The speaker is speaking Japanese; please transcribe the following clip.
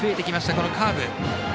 このカーブ。